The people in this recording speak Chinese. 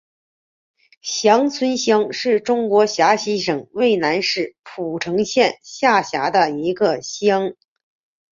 翔村乡是中国陕西省渭南市蒲城县下辖的一个乡。